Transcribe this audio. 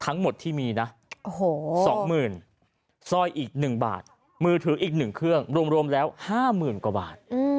ทั้งหมดที่มีนะ๒๐๐๐สร้อยอีก๑บาทมือถืออีก๑เครื่องรวมแล้ว๕๐๐๐กว่าบาท